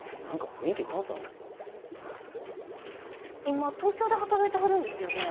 今東京で働いてはるんですよね。